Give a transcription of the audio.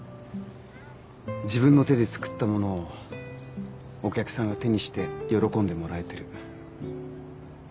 自分の手で作ったものをお客さんが手にして喜んでもらえてる。